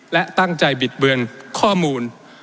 และตั้งใจบิดเบือนข้อมูล